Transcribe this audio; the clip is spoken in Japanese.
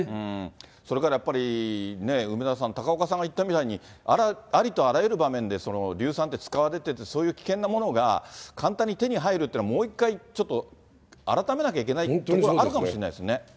それからやっぱり、梅沢さん、高岡さんが言ったみたいに、ありとあらゆる場面で、硫酸って使われていて、そういう危険なものが簡単に手に入るというのは、もう一回、ちょっと改めなければいけないところあるかもしれないですね。